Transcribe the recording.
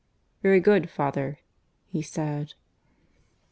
"Very good, father," he said.